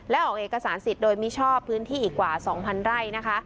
และออกเอกสารสิทธิ์โดยมิชอบพื้นที่อีกกว่า๒๐๐ไร่นะคะ